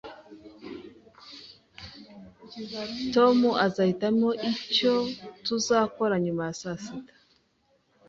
Tom azahitamo icyo tuzakora nyuma ya saa sita